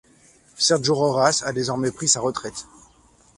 Sergio Rojas a désormais pris sa retraite.